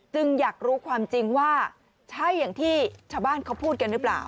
อยากรู้ความจริงว่าใช่อย่างที่ชาวบ้านเขาพูดกันหรือเปล่า